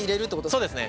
そうですね。